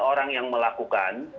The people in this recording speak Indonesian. orang yang melakukan